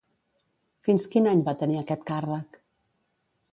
Fins quin any va tenir aquest càrrec?